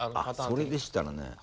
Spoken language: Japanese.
それでしたらね